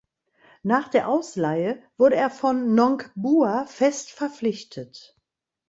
Nach der Ausleihe wurde er von Nongbua fest verpflichtet.